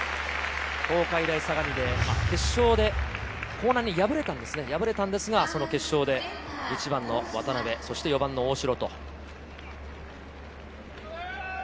東海大相模、決勝で興南に敗れたんですが、決勝で１番の渡辺、そして４番の大城。